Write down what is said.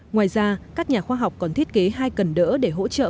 ngoài ra các nhà khoa học còn thiết kế hai cần đỡ để hỗ trợ